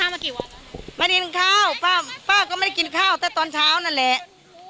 ไม่ได้กินข้าวป้าก็ไม่ได้กินข้าวแต่ตอนเช้านั่นแหละ